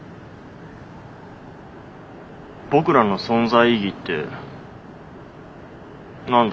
僕らの存在意義って何だろう？